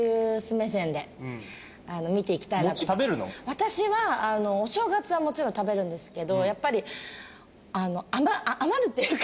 私はお正月はもちろん食べるんですけどやっぱり余るっていうか。